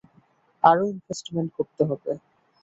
আরও ইনভেস্টমেন্ট করতে হবে।